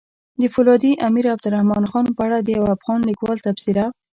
د فولادي امير عبدالرحمن خان په اړه د يو افغان ليکوال تبصره!